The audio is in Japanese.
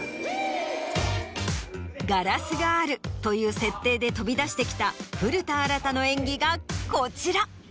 ガラスがあるという設定で飛び出してきた古田新太の演技がこちら！